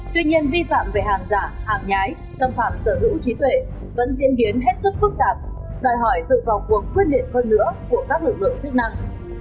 tuy nhiên vi phạm về hàng giả hàng nhái xâm phạm sở hữu trí tuệ vẫn diễn biến hết sức phức tạp đòi hỏi sự vào cuộc quyết liệt hơn nữa của các lực lượng chức năng